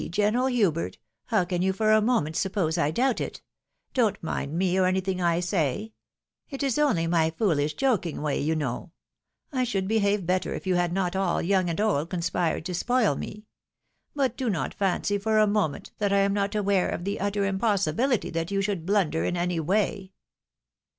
General Hubert. How can you for a moment suppose I doubt it. Don't mind me, or anytMng I say. It is TROUBLESOME CONNECTIONS. 145 only my fdolish joking way, you know. I should behaTe better if you had not all, young and old, conspired to spoU me. But do not fancy for a moment that I am not aware of the utter im possibility that you should blunder in any way."